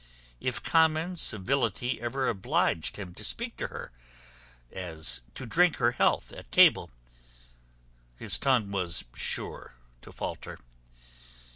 If common civility ever obliged him to speak to her, as to drink her health at table, his tongue was sure to falter.